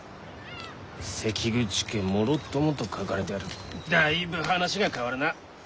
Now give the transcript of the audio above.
関口家もろともと書かれてあるだいぶ話が変わるな。